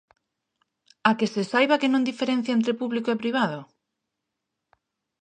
¿A que se saiba que non diferencia entre público e privado?